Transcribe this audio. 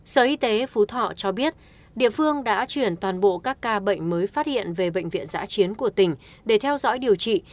sở y tế phú thọ cho biết địa phương đã chuyển toàn bộ các ca bệnh mới phát hiện về bệnh viện giã chiến của tỉnh để theo dõi điều trị